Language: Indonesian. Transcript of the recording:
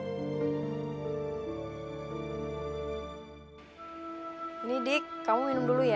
ini dik kamu minum dulu ya